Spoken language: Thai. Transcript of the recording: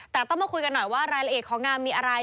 แต่ต้องมาคุยกันหน่อยว่ารายละเอียดของงานมีอะไร